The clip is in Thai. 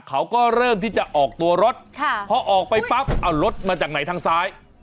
เขาก็เริ่มที่จะออกตัวรถพอออกไปปั๊บเอารถมาจากไหนทางซ้าย